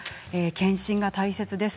検診が大切です。